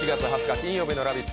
金曜日の「ラヴィット！」